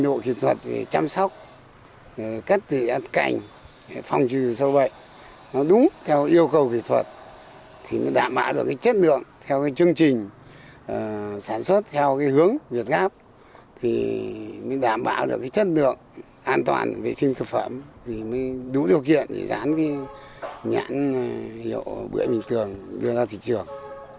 sản xuất theo cái hướng việt gáp thì mình đảm bảo được cái chất lượng an toàn vệ sinh thực phẩm thì mới đủ điều kiện để dán cái nhãn hiệu bưởi vĩnh tường đưa ra thị trường